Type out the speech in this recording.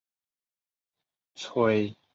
崔铣为明代理学大家。